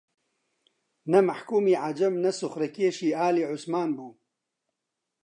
نە مەحکوومی عەجەم نە سوخرەکێشی ئالی عوسمان بوو